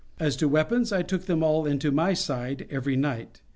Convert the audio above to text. As to weapons, I took them all into my side every night.